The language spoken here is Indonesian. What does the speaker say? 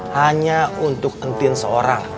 hanya untuk entin seorang